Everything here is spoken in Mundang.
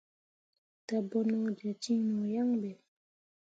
Dabonoje cin no yan be.